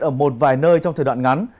ở một vài nơi trong thời đoạn ngắn